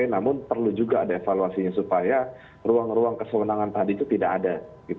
namun perlu juga ada evaluasinya supaya ruang ruang kesewenangan tadi itu tidak ada